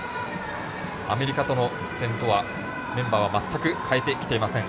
アメリカとの一戦とはメンバーは全く変えてきていません。